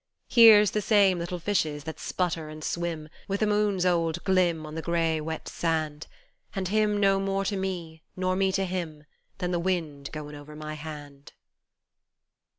Heer's the same little fishes that sputter and swim, Wi' the moon's old glim on the grey, wet sand ; An' him no more to me nor me to him Than the wind goin' over my hand.